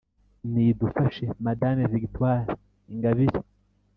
nidufashe madame Victoire Ingabire